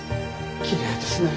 きれいですね。